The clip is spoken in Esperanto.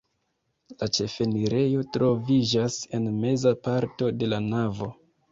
La ĉefenirejo troviĝas en meza parto de la navo.